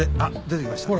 出てきました。